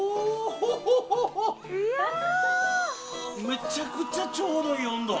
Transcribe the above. めちゃくちゃちょうどいい温度。